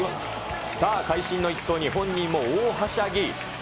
さあ、会心の一投に、本人も大はしゃぎ。